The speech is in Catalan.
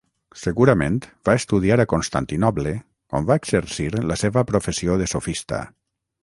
Segurament va estudiar a Constantinoble on va exercir la seva professió de sofista.